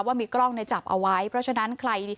ว่ามีกล้องในจับเอาไว้